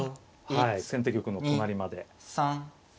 先手玉の隣まで。